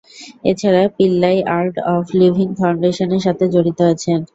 এছাড়া Pillai art of living ফাউন্ডেশনের সাথে জড়িত আছেন।